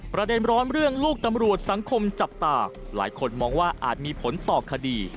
ประเด็นร้อนเรื่องลูกตำรวจสังคมจับตาหลายคนมองว่าอาจมีผลต่อคดี